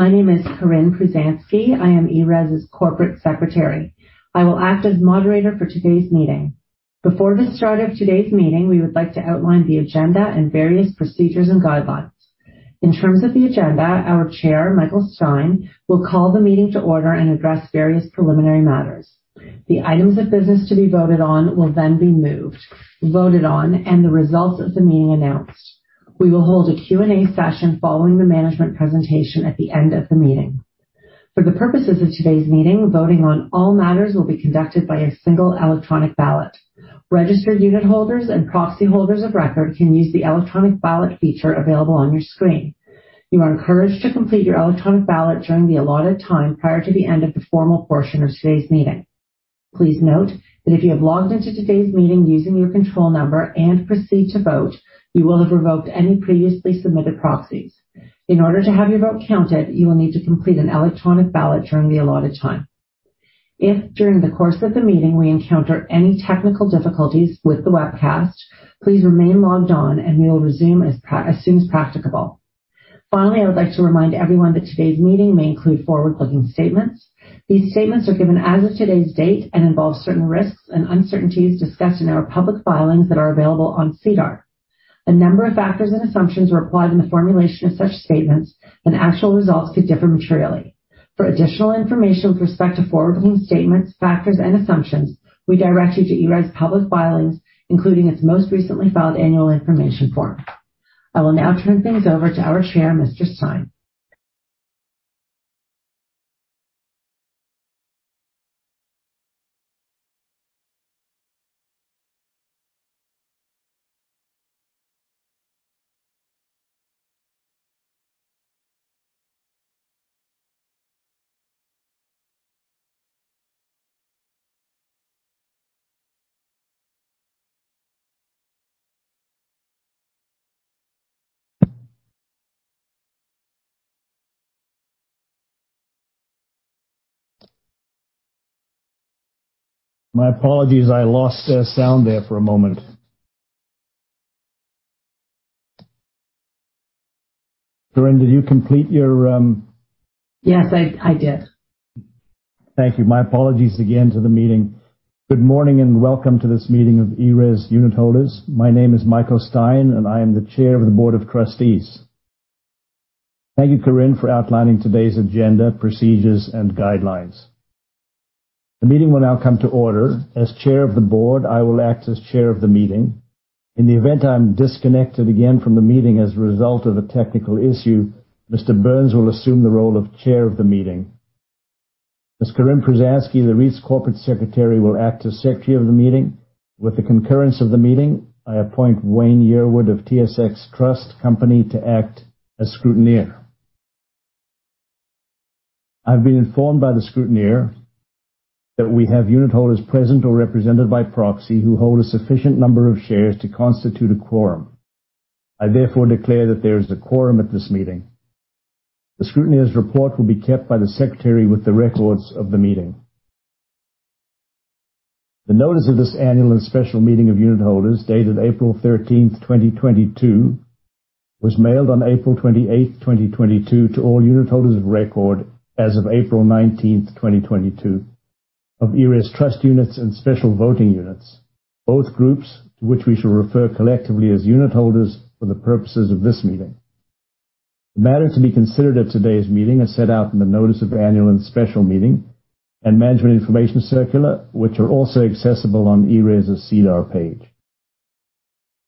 My name is Corinne Pruzanski. I am ERES' Corporate Secretary. I will act as moderator for today's meeting. Before the start of today's meeting, we would like to outline the agenda and various procedures and guidelines. In terms of the agenda, our chair, Michael Stein, will call the meeting to order and address various preliminary matters. The items of business to be voted on will then be moved, voted on, and the results of the meeting announced. We will hold a Q&A session following the management presentation at the end of the meeting. For the purposes of today's meeting, voting on all matters will be conducted by a single electronic ballot. Registered unitholders and proxy holders of record can use the electronic ballot feature available on your screen. You are encouraged to complete your electronic ballot during the allotted time prior to the end of the formal portion of today's meeting. Please note that if you have logged into today's meeting using your control number and proceed to vote, you will have revoked any previously submitted proxies. In order to have your vote counted, you will need to complete an electronic ballot during the allotted time. If during the course of the meeting, we encounter any technical difficulties with the webcast, please remain logged on and we will resume as soon as practicable. Finally, I would like to remind everyone that today's meeting may include forward-looking statements. These statements are given as of today's date and involve certain risks and uncertainties discussed in our public filings that are available on SEDAR. A number of factors and assumptions were applied in the formulation of such statements, and actual results could differ materially. For additional information with respect to forward-looking statements, factors, and assumptions, we direct you to ERES' public filings, including its most recently filed annual information form. I will now turn things over to our Chair, Mr. Stein. My apologies. I lost sound there for a moment. Corinne, did you complete your? Yes. I did. Thank you. My apologies again to the meeting. Good morning, and welcome to this meeting of ERES unit holders. My name is Michael Stein, and I am the chair of the board of trustees. Thank you, Corinne, for outlining today's agenda, procedures, and guidelines. The meeting will now come to order. As chair of the board, I will act as chair of the meeting. In the event I'm disconnected again from the meeting as a result of a technical issue, Mr. Burns will assume the role of chair of the meeting. As Corinne Pruzanski, the REIT's corporate secretary, will act as secretary of the meeting. With the concurrence of the meeting, I appoint Wayne Yearwood of TSX Trust Company to act as scrutineer. I've been informed by the scrutineer that we have unitholders present or represented by proxy who hold a sufficient number of shares to constitute a quorum. I therefore declare that there is a quorum at this meeting. The scrutineer's report will be kept by the secretary with the records of the meeting. The notice of this annual and special meeting of unitholders, dated April thirteenth, twenty twenty-two, was mailed on April twenty-eighth, twenty twenty-two, to all unitholders of record as of April nineteenth, twenty twenty-two, of ERES trust units and special voting units, both groups to which we shall refer collectively as unitholders for the purposes of this meeting. The matters to be considered at today's meeting are set out in the notice of annual and special meeting and Management Information Circular, which are also accessible on ERES' SEDAR page.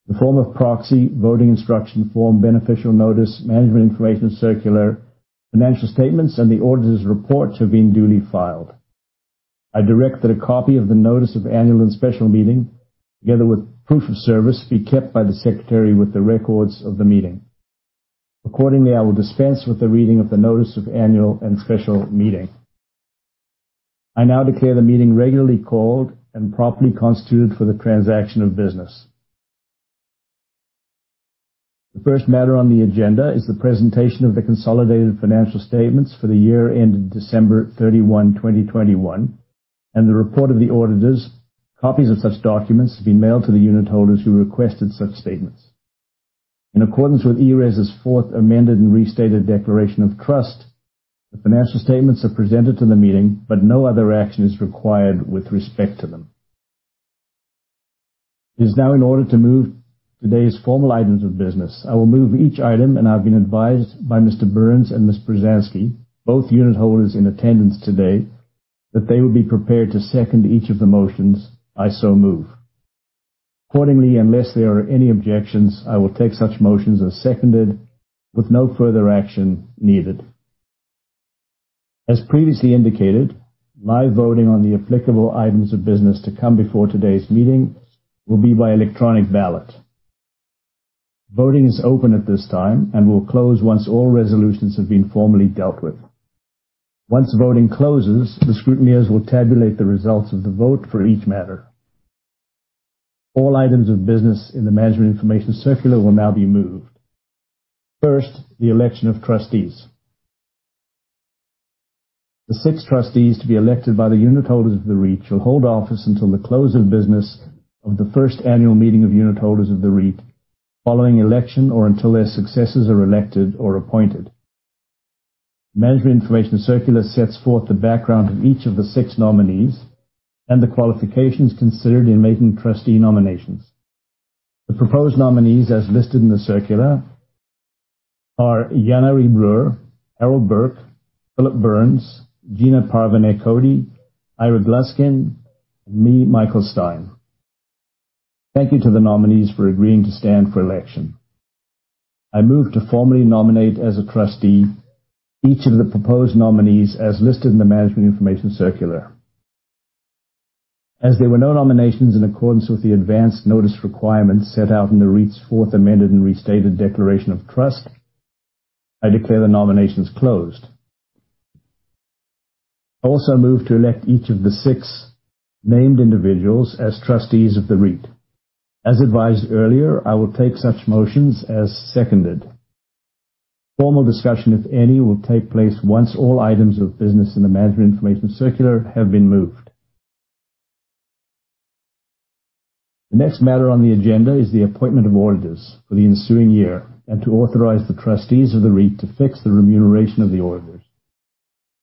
The form of proxy, voting instruction form, beneficial notice, Management Information Circular, financial statements, and the auditor's reports have been duly filed. I direct that a copy of the notice of annual and special meeting, together with proof of service, be kept by the secretary with the records of the meeting. Accordingly, I will dispense with the reading of the notice of annual and special meeting. I now declare the meeting regularly called and properly constituted for the transaction of business. The first matter on the agenda is the presentation of the consolidated financial statements for the year ended December 31, 2021, and the report of the auditors. Copies of such documents have been mailed to the unitholders who requested such statements. In accordance with ERES' Fourth Amended and Restated Declaration of Trust, the financial statements are presented to the meeting, but no other action is required with respect to them. It is now in order to move today's formal items of business. I will move each item, and I've been advised by Mr. Burns and Ms. Pruzanski, both unitholders in attendance today, that they will be prepared to second each of the motions I so move. Accordingly, unless there are any objections, I will take such motions as seconded with no further action needed. As previously indicated, live voting on the applicable items of business to come before today's meeting will be by electronic ballot. Voting is open at this time and will close once all resolutions have been formally dealt with. Once voting closes, the scrutineers will tabulate the results of the vote for each matter. All items of business in the Management Information Circular will now be moved. First, the election of trustees. The six trustees to be elected by the unitholders of the REIT shall hold office until the close of business of the first annual meeting of unitholders of the REIT following election or until their successors are elected or appointed. Management Information Circular sets forth the background of each of the six nominees and the qualifications considered in making trustee nominations. The proposed nominees, as listed in the circular, are Jan Arie Breure, Harold Burke, Phillip Burns, Gina Parvaneh Cody, Ira Gluskin, and me, Michael Stein. Thank you to the nominees for agreeing to stand for election. I move to formally nominate as a trustee each of the proposed nominees as listed in the Management Information Circular. As there were no nominations in accordance with the advance notice requirements set out in the REIT's Fourth Amended and Restated Declaration of Trust, I declare the nominations closed. I also move to elect each of the six named individuals as trustees of the REIT. As advised earlier, I will take such motions as seconded. Formal discussion, if any, will take place once all items of business in the Management Information Circular have been moved. The next matter on the agenda is the appointment of auditors for the ensuing year and to authorize the trustees of the REIT to fix the remuneration of the auditors.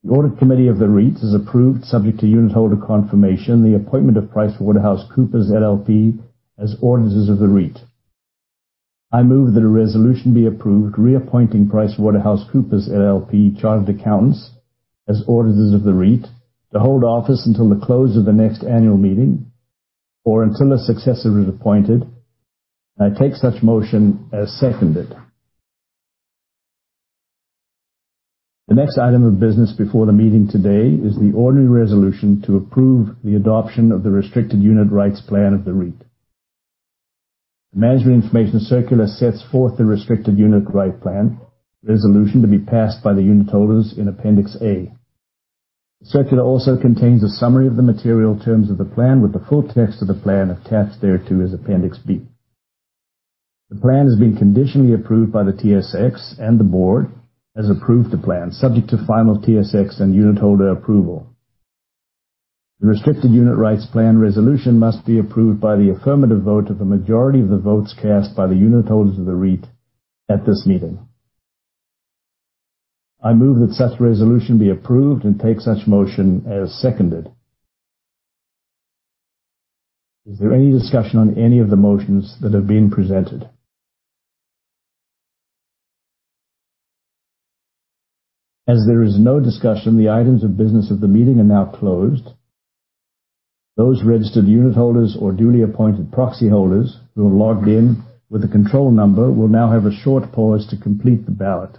The Audit Committee of the REIT has approved, subject to unitholder confirmation, the appointment of PricewaterhouseCoopers LLP as auditors of the REIT. I move that a resolution be approved reappointing PricewaterhouseCoopers LLP Chartered Accountants as auditors of the REIT to hold office until the close of the next annual meeting or until a successor is appointed. I take such motion as seconded. The next item of business before the meeting today is the ordinary resolution to approve the adoption of the restricted unit rights plan of the REIT. The Management Information Circular sets forth the restricted unit rights plan resolution to be passed by the unitholders in Appendix A. The circular also contains a summary of the material terms of the plan with the full text of the plan attached thereto as Appendix B. The plan has been conditionally approved by the TSX, and the board has approved the plan, subject to final TSX and unitholder approval. The restricted unit rights plan resolution must be approved by the affirmative vote of the majority of the votes cast by the unitholders of the REIT at this meeting. I move that such resolution be approved and take such motion as seconded. Is there any discussion on any of the motions that have been presented? As there is no discussion, the items of business of the meeting are now closed. Those registered unitholders or duly appointed proxy holders who are logged in with a control number will now have a short pause to complete the ballot.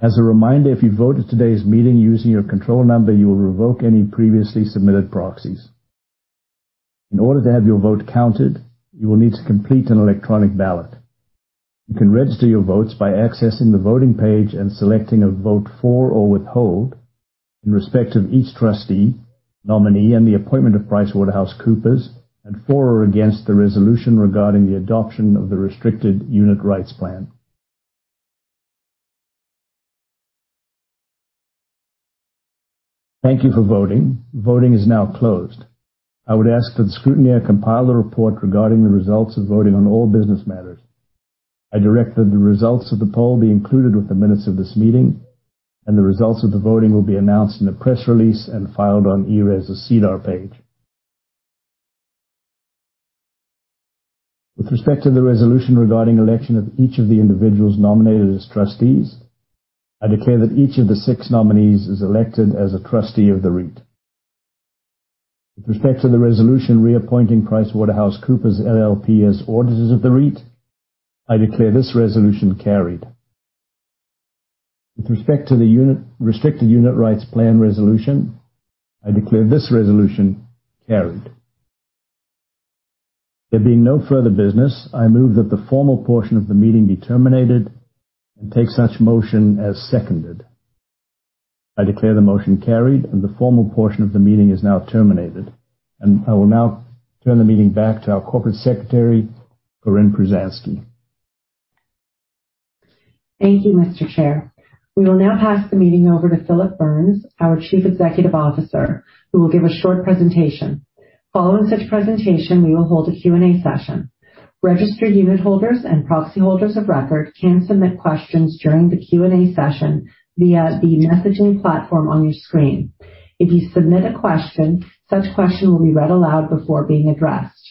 As a reminder, if you vote at today's meeting using your control number, you will revoke any previously submitted proxies. In order to have your vote counted, you will need to complete an electronic ballot. You can register your votes by accessing the voting page and selecting to vote for or withhold in respect of each trustee nominee and the appointment of PricewaterhouseCoopers and for or against the resolution regarding the adoption of the restricted unit rights plan. Thank you for voting. Voting is now closed. I would ask that the scrutineer compile a report regarding the results of voting on all business matters. I direct that the results of the poll be included with the minutes of this meeting, and the results of the voting will be announced in a press release and filed on ERES' SEDAR page. With respect to the resolution regarding election of each of the individuals nominated as trustees, I declare that each of the six nominees is elected as a trustee of the REIT. With respect to the resolution reappointing PricewaterhouseCoopers LLP as auditors of the REIT, I declare this resolution carried. With respect to the unit restricted unit rights plan resolution, I declare this resolution carried. There being no further business, I move that the formal portion of the meeting be terminated and take such motion as seconded. I declare the motion carried and the formal portion of the meeting is now terminated. I will now turn the meeting back to our corporate secretary, Corinne Pruzanski. Thank you, Mr. Chair. We will now pass the meeting over to Phillip Burns, our Chief Executive Officer, who will give a short presentation. Following such presentation, we will hold a Q&A session. Registered unitholders and proxy holders of record can submit questions during the Q&A session via the messaging platform on your screen. If you submit a question, such question will be read aloud before being addressed.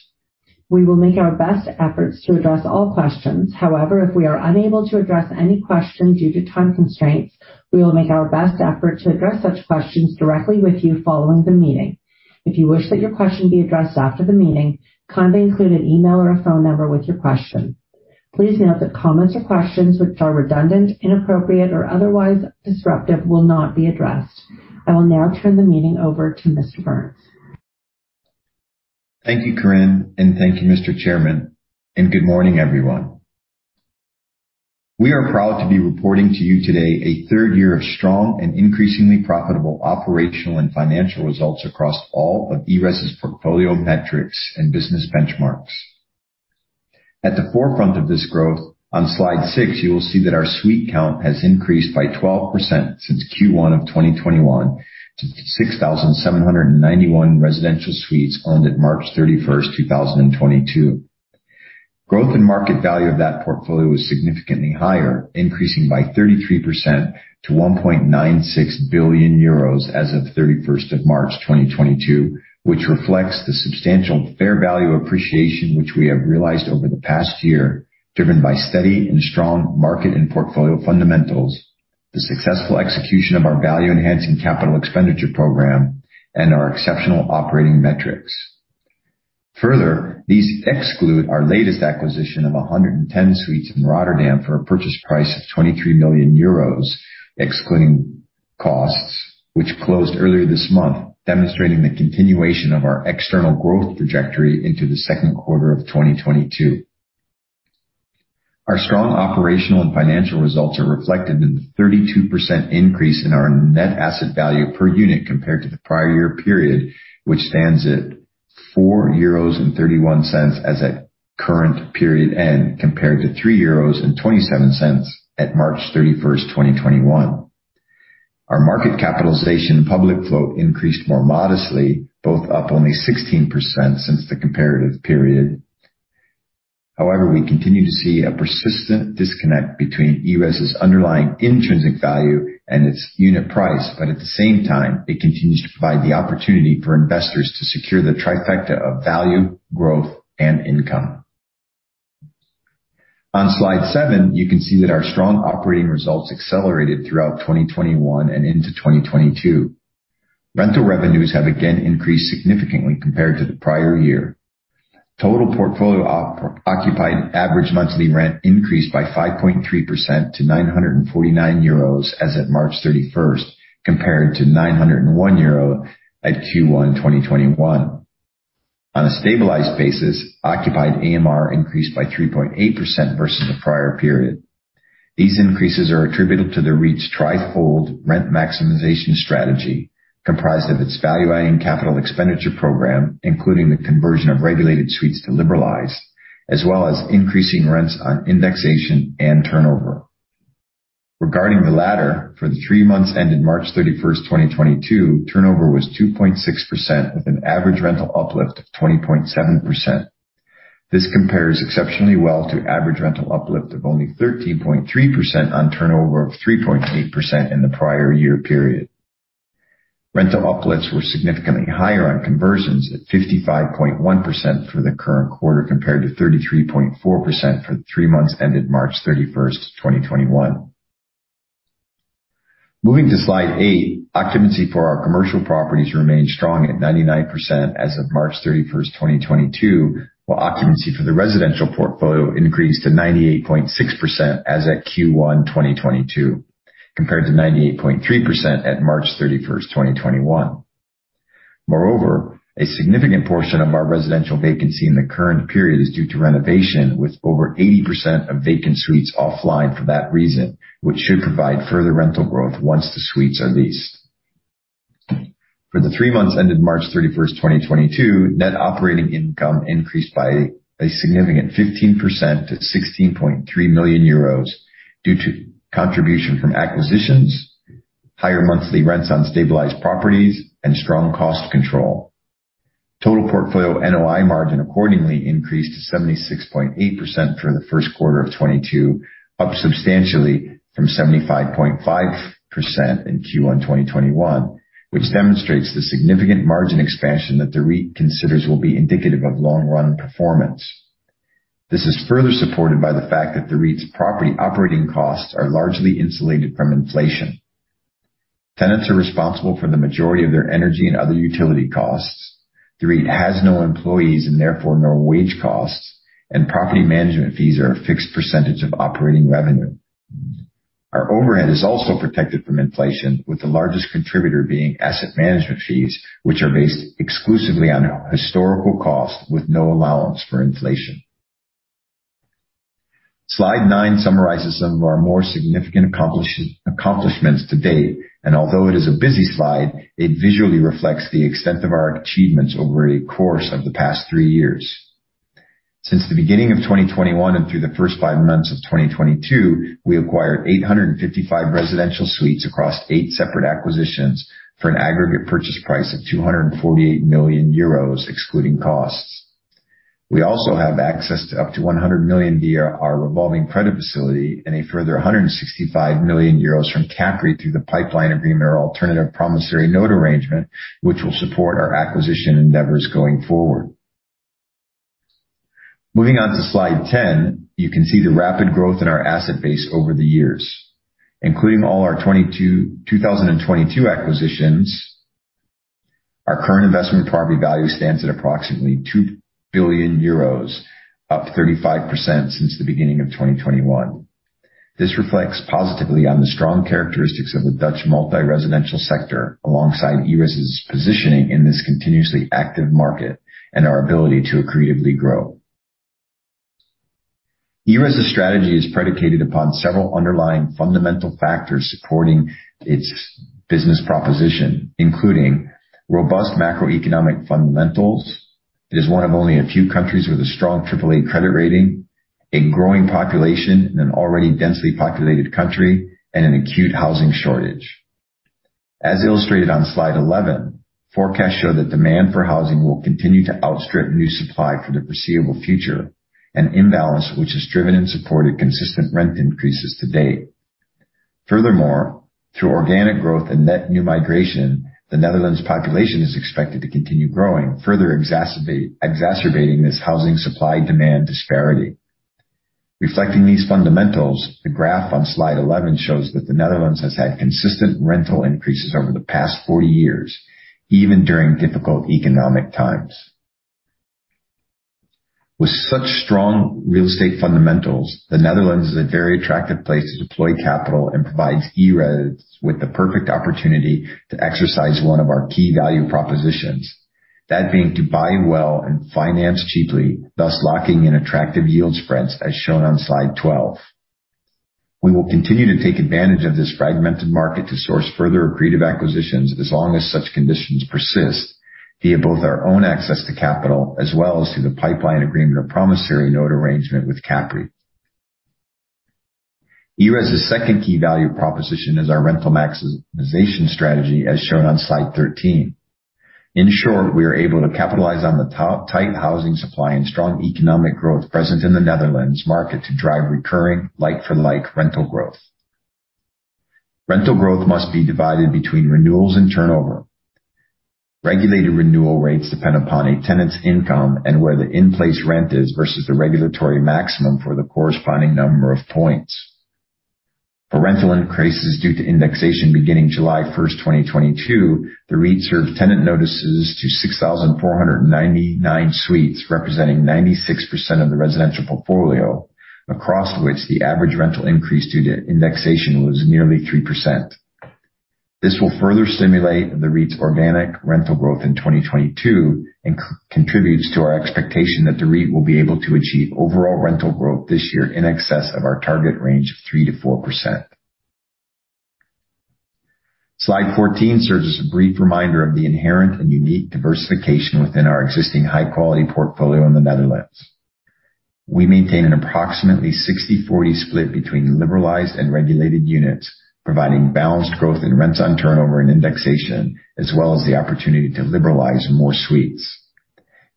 We will make our best efforts to address all questions. However, if we are unable to address any question due to time constraints, we will make our best effort to address such questions directly with you following the meeting. If you wish that your question be addressed after the meeting, kindly include an email or a phone number with your question. Please note that comments or questions which are redundant, inappropriate, or otherwise disruptive will not be addressed. I will now turn the meeting over to Phillip Burns. Thank you, Corinne, and thank you, Mr. Chairman, and good morning, everyone. We are proud to be reporting to you today a third year of strong and increasingly profitable operational and financial results across all of ERES' portfolio metrics and business benchmarks. At the forefront of this growth, on slide six, you will see that our suite count has increased by 12% since Q1 of 2021 to 6,791 residential suites owned at March 31, 2022. Growth in market value of that portfolio is significantly higher, increasing by 33% to 1.96 billion euros as of March 31, 2022, which reflects the substantial fair value appreciation which we have realized over the past year, driven by steady and strong market and portfolio fundamentals, the successful execution of our value enhancing capital expenditure program, and our exceptional operating metrics. Further, these exclude our latest acquisition of 110 suites in Rotterdam for a purchase price of 23 million euros, excluding costs, which closed earlier this month, demonstrating the continuation of our external growth trajectory into the second quarter of 2022. Our strong operational and financial results are reflected in the 32% increase in our net asset value per unit compared to the prior year period, which stands at 4.31 euros as at current period end, compared to 3.27 euros at March 31, 2021. Our market capitalization public float increased more modestly, both up only 16% since the comparative period. However, we continue to see a persistent disconnect between our underlying intrinsic value and its unit price, but at the same time, it continues to provide the opportunity for investors to secure the trifecta of value, growth, and income. On slide seven, you can see that our strong operating results accelerated throughout 2021 and into 2022. Rental revenues have again increased significantly compared to the prior year. Total portfolio occupied average monthly rent increased by 5.3% to 949 euros as of March 31, compared to 901 euro at Q1 2021. On a stabilized basis, occupied AMR increased by 3.8% versus the prior period. These increases are attributable to the REIT's threefold rent maximization strategy, comprised of its value-adding capital expenditure program, including the conversion of regulated suites to liberalized, as well as increasing rents on indexation and turnover. Regarding the latter, for the three months ended March 31, 2022, turnover was 2.6% with an average rental uplift of 20.7%. This compares exceptionally well to average rental uplift of only 13.3% on turnover of 3.8% in the prior year period. Rental uplifts were significantly higher on conversions at 55.1% for the current quarter, compared to 33.4% for the three months ended March 31, 2021. Moving to slide eight, occupancy for our commercial properties remained strong at 99% as of March 31, 2022, while occupancy for the residential portfolio increased to 98.6% as at Q1 2022, compared to 98.3% at March 31, 2021. Moreover, a significant portion of our residential vacancy in the current period is due to renovation, with over 80% of vacant suites offline for that reason, which should provide further rental growth once the suites are leased. For the three months ended March 31, 2022, net operating income increased by a significant 15% to 16.3 million euros due to contribution from acquisitions, higher monthly rents on stabilized properties, and strong cost control. Total portfolio NOI margin accordingly increased to 76.8% for the first quarter of 2022, up substantially from 75.5% in Q1 2021, which demonstrates the significant margin expansion that the REIT considers will be indicative of long run performance. This is further supported by the fact that the REIT's property operating costs are largely insulated from inflation. Tenants are responsible for the majority of their energy and other utility costs. The REIT has no employees and therefore no wage costs, and property management fees are a fixed percentage of operating revenue. Our overhead is also protected from inflation, with the largest contributor being asset management fees, which are based exclusively on historical cost with no allowance for inflation. Slide nine summarizes some of our more significant accomplishments to date, and although it is a busy slide, it visually reflects the extent of our achievements over the course of the past three years. Since the beginning of 2021 and through the first five months of 2022, we acquired 855 residential suites across eight separate acquisitions for an aggregate purchase price of 248 million euros, excluding costs. We also have access to up to 100 million via our revolving credit facility and a further 165 million euros from CAPREIT through the pipeline and revolving promissory note arrangement, which will support our acquisition endeavors going forward. Moving on to slide 10, you can see the rapid growth in our asset base over the years. Including all our 2022 acquisitions, our current investment property value stands at approximately 2 billion euros, up 35% since the beginning of 2021. This reflects positively on the strong characteristics of the Dutch multi-residential sector alongside ERES's positioning in this continuously active market and our ability to accretively grow. ERES's strategy is predicated upon several underlying fundamental factors supporting its business proposition, including robust macroeconomic fundamentals. It is one of only a few countries with a strong AAA credit rating, a growing population in an already densely populated country, and an acute housing shortage. As illustrated on slide 11, forecasts show that demand for housing will continue to outstrip new supply for the foreseeable future, an imbalance which has driven and supported consistent rent increases to date. Furthermore, through organic growth and net new migration, the Netherlands population is expected to continue growing, further exacerbating this housing supply-demand disparity. Reflecting these fundamentals, the graph on slide 11 shows that the Netherlands has had consistent rental increases over the past four years, even during difficult economic times. With such strong real estate fundamentals, the Netherlands is a very attractive place to deploy capital and provides ERES with the perfect opportunity to exercise one of our key value propositions, that being to buy well and finance cheaply, thus locking in attractive yield spreads, as shown on slide 12. We will continue to take advantage of this fragmented market to source further accretive acquisitions as long as such conditions persist via both our own access to capital as well as through the pipeline agreement or promissory note arrangement with CAPREIT. ERES's second key value proposition is our rental maximization strategy, as shown on slide 13. In short, we are able to capitalize on the too-tight housing supply and strong economic growth present in the Netherlands market to drive recurring like-for-like rental growth. Rental growth must be divided between renewals and turnover. Regulated renewal rates depend upon a tenant's income and where the in-place rent is versus the regulatory maximum for the corresponding number of points. For rental increases due to indexation beginning July 1, 2022, the REIT served tenant notices to 6,499 suites, representing 96% of the residential portfolio, across which the average rental increase due to indexation was nearly 3%. This will further stimulate the REIT's organic rental growth in 2022 and contributes to our expectation that the REIT will be able to achieve overall rental growth this year in excess of our target range of 3%-4%. Slide 14 serves as a brief reminder of the inherent and unique diversification within our existing high-quality portfolio in the Netherlands. We maintain an approximately 60/40 split between liberalized and regulated units, providing balanced growth in rents on turnover and indexation, as well as the opportunity to liberalize more suites.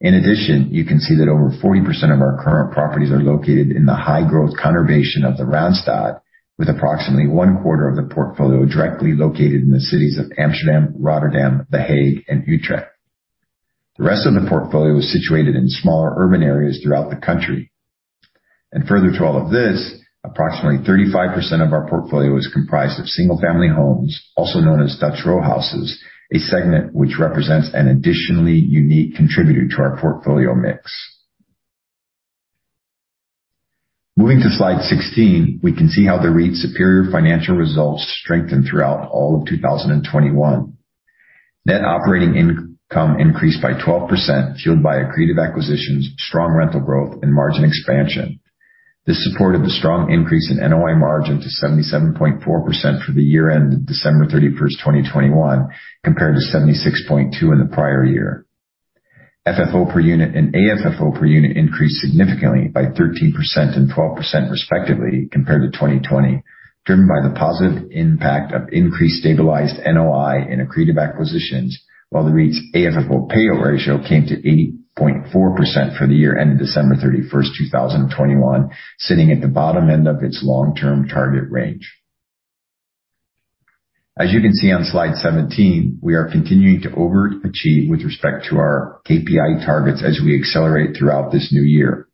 In addition, you can see that over 40% of our current properties are located in the high-growth conurbation of the Randstad, with approximately 1/4 of the portfolio directly located in the cities of Amsterdam, Rotterdam, The Hague, and Utrecht. The rest of the portfolio is situated in smaller urban areas throughout the country. Further to all of this, approximately 35% of our portfolio is comprised of single-family homes, also known as Dutch row houses, a segment which represents an additionally unique contributor to our portfolio mix. Moving to slide 16, we can see how the REIT's superior financial results strengthened throughout all of 2021. Net operating income increased by 12%, fueled by accretive acquisitions, strong rental growth, and margin expansion. This supported the strong increase in NOI margin to 77.4% for the year ended December 31, 2021, compared to 76.2% in the prior year. FFO per unit and AFFO per unit increased significantly by 13% and 12%, respectively, compared to 2020, driven by the positive impact of increased stabilized NOI and accretive acquisitions, while the REIT's AFFO payout ratio came to 80.4% for the year ended December 31, 2021, sitting at the bottom end of its long-term target range. As you can see on slide 17, we are continuing to overachieve with respect to our KPI targets as we accelerate throughout this new year.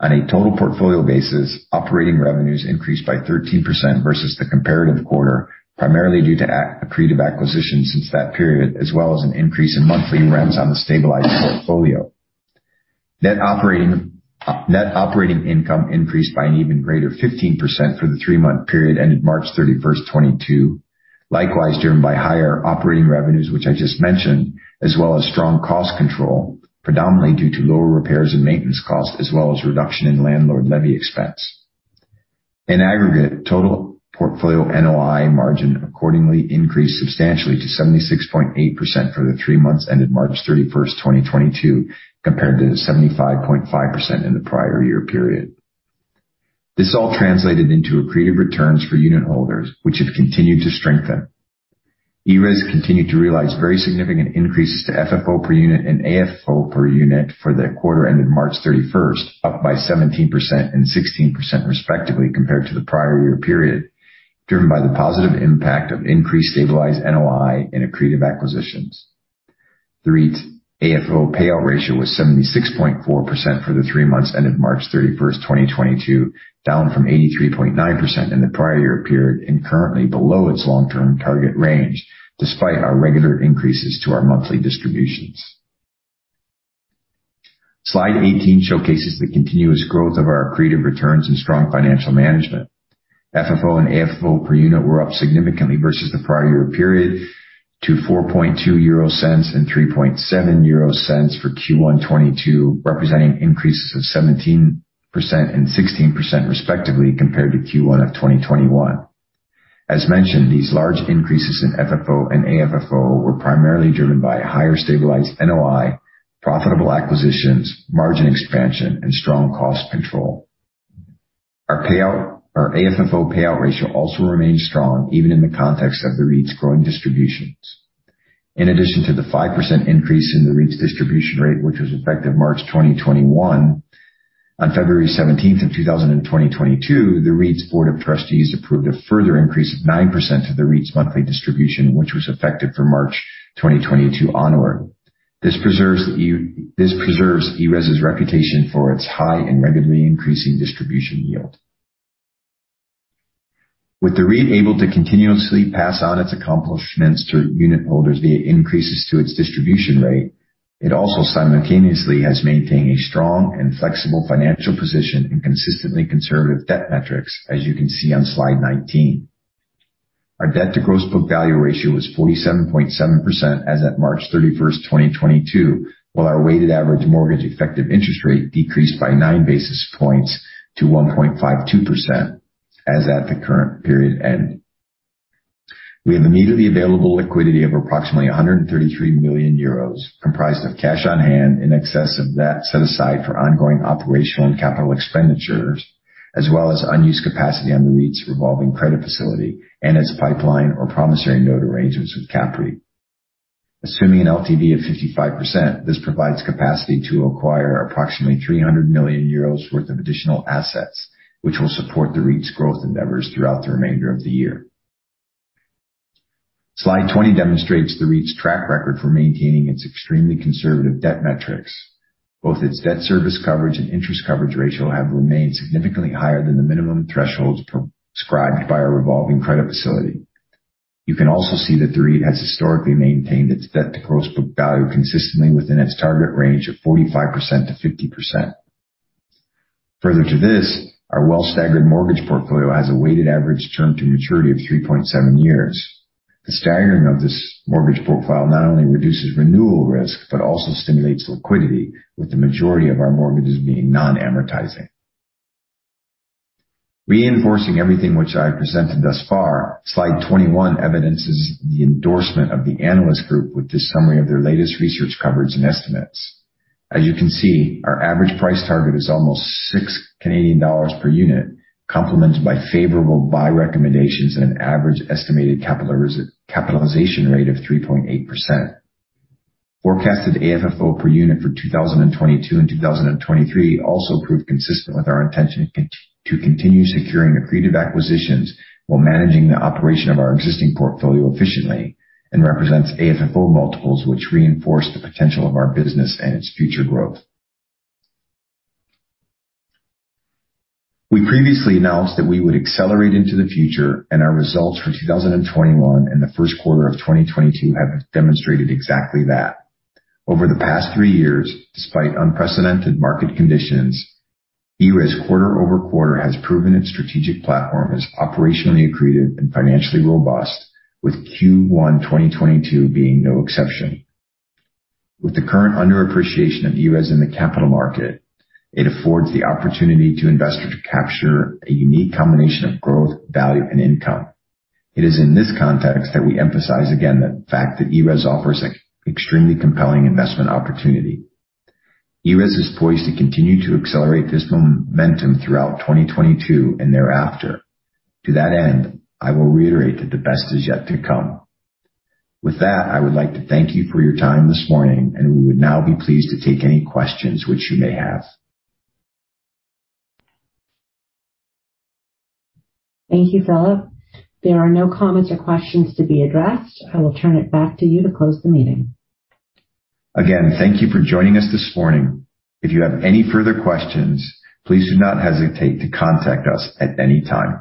On a total portfolio basis, operating revenues increased by 13% versus the comparative quarter, primarily due to accretive acquisitions since that period as well as an increase in monthly rents on the stabilized portfolio. Net operating income increased by an even greater 15% for the three-month period ended March 31, 2022. Likewise driven by higher operating revenues, which I just mentioned, as well as strong cost control, predominantly due to lower repairs and maintenance costs, as well as reduction in landlord levy expense. In aggregate, total portfolio NOI margin accordingly increased substantially to 76.8% for the three months ended March 31st, 2022, compared to the 75.5% in the prior year period. This all translated into accretive returns for unit holders, which have continued to strengthen. ERES continued to realize very significant increases to FFO per unit and AFFO per unit for the quarter ended March 31st, up by 17% and 16%, respectively, compared to the prior year period, driven by the positive impact of increased stabilized NOI and accretive acquisitions. The REIT's AFFO payout ratio was 76.4% for the three months ended March 31, 2022, down from 83.9% in the prior year period, and currently below its long-term target range, despite our regular increases to our monthly distributions. Slide 18 showcases the continuous growth of our accretive returns and strong financial management. FFO and AFFO per unit were up significantly versus the prior year period to 0.042 and 0.037 for Q1 2022, representing increases of 17% and 16% respectively compared to Q1 of 2021. As mentioned, these large increases in FFO and AFFO were primarily driven by higher stabilized NOI, profitable acquisitions, margin expansion and strong cost control. Our AFFO payout ratio also remained strong even in the context of the REIT's growing distributions. In addition to the 5% increase in the REIT's distribution rate, which was effective March 2021. On February 17 of 2022, the REIT's board of trustees approved a further increase of 9% to the REIT's monthly distribution, which was effective for March 2022 onward. This preserves ERES' reputation for its high and regularly increasing distribution yield. With the REIT able to continuously pass on its accomplishments to unit holders via increases to its distribution rate, it also simultaneously has maintained a strong and flexible financial position and consistently conservative debt metrics as you can see on slide 19. Our debt to gross book value ratio was 47.7% as at March 31, 2022, while our weighted average mortgage effective interest rate decreased by 9 basis points to 1.52% as at the current period end. We have immediately available liquidity of approximately 133 million euros, comprised of cash on hand in excess of that set aside for ongoing operational and capital expenditures, as well as unused capacity on the REIT's revolving credit facility and its pipeline or promissory note arrangements with CAPREIT. Assuming an LTV of 55%, this provides capacity to acquire approximately 300 million euros worth of additional assets, which will support the REIT's growth endeavors throughout the remainder of the year. Slide 20 demonstrates the REIT's track record for maintaining its extremely conservative debt metrics. Both its debt service coverage and interest coverage ratio have remained significantly higher than the minimum thresholds prescribed by our revolving credit facility. You can also see that the REIT has historically maintained its debt to gross book value consistently within its target range of 45%-50%. Further to this, our well staggered mortgage portfolio has a weighted average term to maturity of 3.7 years. The staggering of this mortgage profile not only reduces renewal risk, but also stimulates liquidity, with the majority of our mortgages being non-amortizing. Reinforcing everything which I presented thus far, slide 21 evidences the endorsement of the analyst group with this summary of their latest research coverage and estimates. As you can see, our average price target is almost 6 Canadian dollars per unit, complemented by favorable buy recommendations and an average estimated capitalization rate of 3.8%. Forecasted AFFO per unit for 2022 and 2023 also proved consistent with our intention to continue securing accretive acquisitions while managing the operation of our existing portfolio efficiently and represents AFFO multiples, which reinforce the potential of our business and its future growth. We previously announced that we would accelerate into the future, and our results for 2021 and the first quarter of 2022 have demonstrated exactly that. Over the past three years, despite unprecedented market conditions, ERES quarter-over-quarter has proven its strategic platform is operationally accretive and financially robust, with Q1 2022 being no exception. With the current underappreciation of ERES in the capital market, it affords the opportunity to investors to capture a unique combination of growth, value and income. It is in this context that we emphasize again the fact that ERES offers extremely compelling investment opportunity. ERES is poised to continue to accelerate this momentum throughout 2022 and thereafter. To that end, I will reiterate that the best is yet to come. With that, I would like to thank you for your time this morning, and we would now be pleased to take any questions which you may have. Thank you, Phillip. There are no comments or questions to be addressed. I will turn it back to you to close the meeting. Again, thank you for joining us this morning. If you have any further questions, please do not hesitate to contact us at any time.